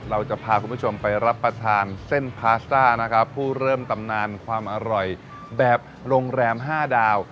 เราจะพาคุณผู้ชมไปรับประทานเส้นพาสต้านะครับผู้เริ่มตำนานความอร่อยแบบโรงแรม๕ดาว